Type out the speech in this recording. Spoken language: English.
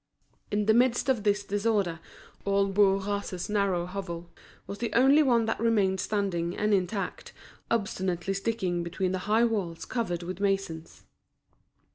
In the midst of this disorder, old Bourras's narrow hovel was the only one that remained standing and intact, obstinately sticking between the high walls covered with masons.